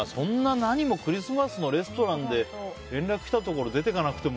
何もクリスマスのレストランで連絡きたところ出て行かなくても。